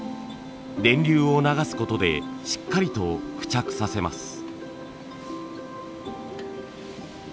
電流を流すことでしっかりと付着させます。